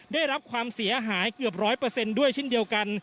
ได้รับความเสียหายเกือบร้อยเปอร์เซ็นท์ด้วยชิ้นเดียวกัน